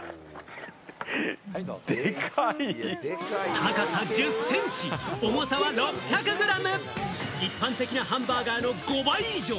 高さ１０センチ、重さは６００ｇ、一般的なハンバーガーの５倍以上。